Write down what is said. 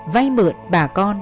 vay mượn bà con